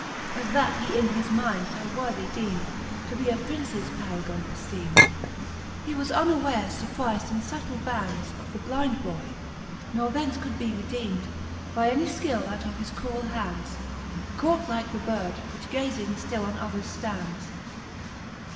As that he in his mind her worthy deemed To be a Princes Paragone efteemed, He was unwares furprifd in fubtile bands Of the blynd boy, ne thence could be redeemed By any fkill out of his cruell hands, Caught like the bird, which gazing ftill on others ftands.